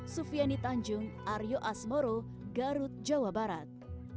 sufiani tanjung aryo asmoro garut jawa barat